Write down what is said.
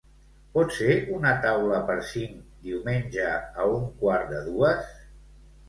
Pot ser una taula per cinc, diumenge, a un quart de dues?